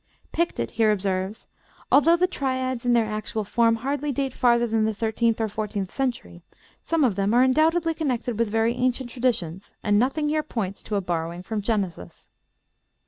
Pictet here observes: "Although the triads in their actual form hardly date farther than the thirteenth or fourteenth century, some of them are undoubtedly connected with very ancient traditions, and nothing here points to a borrowing from Genesis.